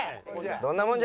どんなもんじゃ。